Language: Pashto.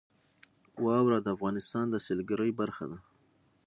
واوره د افغانستان د سیلګرۍ برخه ده.